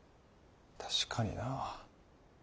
確かになぁ。